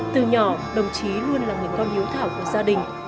từ nhỏ đồng chí luôn là người con hiếu thảo của gia đình